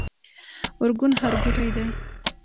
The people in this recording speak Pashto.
ارګون ښارګوټی دی؟